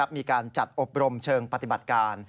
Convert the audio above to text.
มีการจัดอบรมเชิงปฏิบัติการ